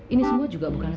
ini semua juga bukan